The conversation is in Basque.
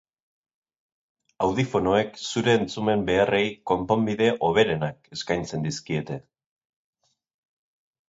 Audifonoek zure entzumen beharrei konponbide hoberenak eskaintzen dizkiete.